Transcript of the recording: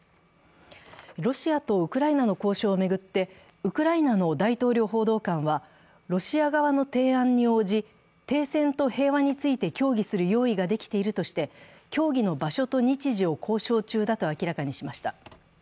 ロシアとウクライナの交渉を巡って、ウクライナの大統領報道官は、ロシア側の提案に応じ、停戦と平和について協議する用意ができているとして協議の場所と日時を交渉中だと明らかにしました。